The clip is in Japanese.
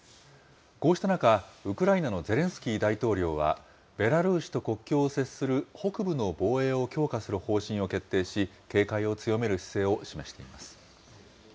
こうした中、ウクライナのゼレンスキー大統領はベラルーシと国境を接する北部の防衛を強化する方針を決定し、警戒を強める姿勢を示しています。